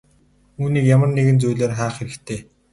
Үүнийг ямар нэгэн зүйлээр хаах хэрэгтэй.